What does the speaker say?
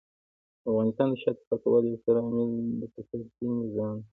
د افغانستان د شاته پاتې والي یو ستر عامل د فسادي نظام دی.